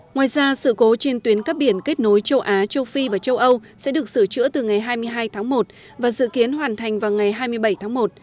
ngoài ra sự cố trên tuyến cắp biển kết nối châu á châu phi và châu âu sẽ được sửa chữa từ ngày hai mươi hai tháng một và dự kiến hoàn thành vào ngày hai mươi bảy tháng một